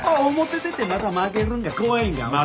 表出てまた負けるんが怖いんか？